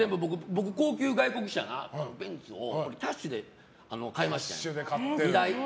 僕、高級外国車ベンツをキャッシュで買いました、２台。